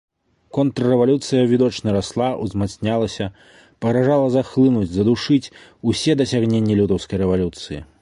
Контррэвалюцыя відочна расла, узмацнялася, пагражала захлынуць, задушыць усе дасягненні лютаўскай рэвалюцыі.